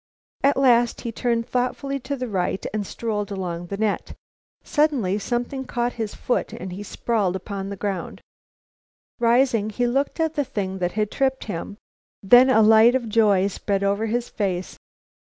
At last he turned thoughtfully to the right and strolled along the net. Suddenly something caught his foot and he sprawled upon the ground. Rising, he looked at the thing that had tripped him. Then a light of joy spread over his face.